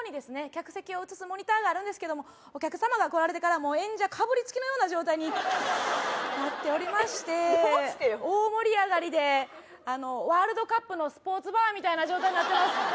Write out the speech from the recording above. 客席を映すモニターがあるんですけどもお客様が来られてからもう演者かぶりつきのような状態になっておりましてどうしてよ大盛り上がりでワールドカップのスポーツバーみたいな状態になってます